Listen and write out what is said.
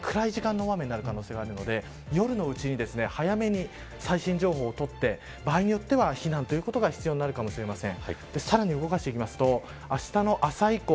暗い時間の大雨になる可能性があるので夜のうちに早めに最新情報を取って場合によっては避難が必要になるかもしれません。